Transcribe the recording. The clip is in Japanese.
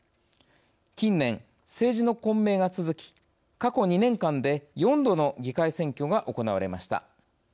近年政治の混迷が続き過去２年間で４度の議会選挙が行われました。